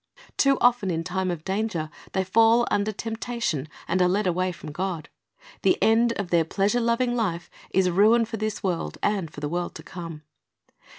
Too often in time of danger they fall under temptation, and are led away from God. The end of their pleasure loving life is ruin for this world and for the world to come.